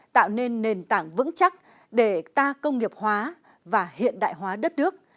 tạo nên nền tảng vững chắc để ta công nghiệp hóa và hiện đại hóa đất nước